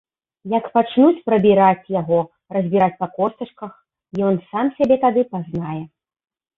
Як пачнуць прабіраць яго, разбіраць па костачках, ён сам сябе тады пазнае.